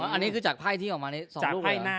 อันนี้คือจากไพ่ที่ออกมาใน๒ลูก